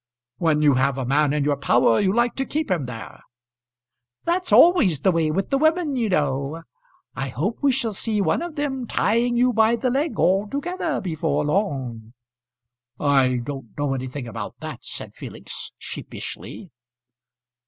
"When you have a man in your power you like to keep him there." "That's always the way with the women you know. I hope we shall see one of them tying you by the leg altogether before long." "I don't know anything about that," said Felix, sheepishly.